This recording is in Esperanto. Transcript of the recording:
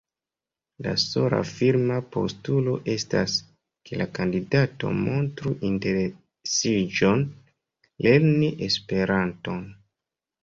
La sola firma postulo estas, ke la kandidato “montru interesiĝon lerni Esperanton”.